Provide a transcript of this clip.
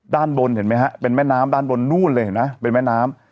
ด้านบนเห็นมั้ยฮะเป็นแม่น้ำด้านบนนู้นเลยนะเป็นแม่น้ำ